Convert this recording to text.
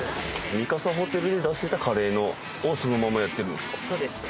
三笠ホテルで出してたカレーをそのままやってるんですか？